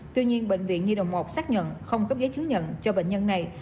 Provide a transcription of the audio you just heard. tuy nhiên bệnh viện nhi đồng một xác nhận không cấp giấy chứng nhận cho bệnh nhân này